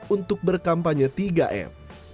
untuk berkampanye tiga m